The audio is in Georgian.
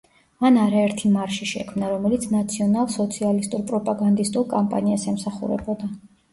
მან არაერთი მარში შექმნა, რომელიც ნაციონალ–სოციალისტურ პროპაგანდისტულ კამპანიას ემსახურებოდა.